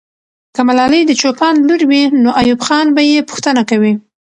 که ملالۍ د چوپان لور وي، نو ایوب خان به یې پوښتنه کوي.